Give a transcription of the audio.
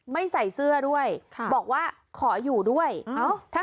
ไม่ใส่เสื้อด้วยค่ะบอกว่าขออยู่ด้วยเอ้าถ้า